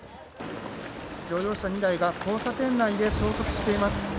乗用車２台が交差点内で衝突しています。